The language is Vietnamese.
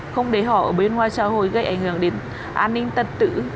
không để họ ở bên ngoài xã hội gây ảnh hưởng đến an ninh tật tự